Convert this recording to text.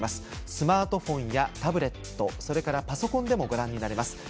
スマートフォンやタブレットパソコンでもご覧になれます。